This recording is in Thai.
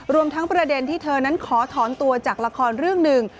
ทั้งประเด็นที่เธอนั้นขอถอนตัวจากละครเรื่องหนึ่ง